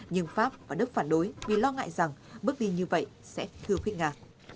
nhưng pháp và đức phản đối vì lo ngại rằng bước đi như vậy sẽ thư khuyết nga